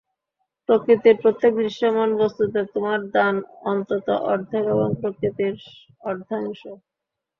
প্রকৃতির প্রত্যেক দৃশ্যমান বস্তুতে তোমার দান অন্তত অর্ধেক এবং প্রকৃতির অর্ধাংশ।